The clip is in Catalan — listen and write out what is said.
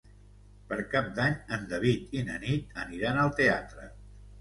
Per Cap d'Any en David i na Nit aniran al teatre.